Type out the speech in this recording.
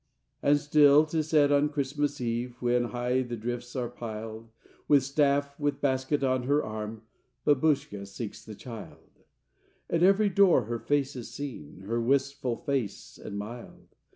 And still, 'tis said, on Christmas Eve, When high the drifts are piled, With staff, with basket on her arm, Babushka seeks the Child: At every door her face is seen, Her wistful face and mild!